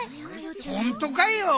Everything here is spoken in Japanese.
ホントかよ！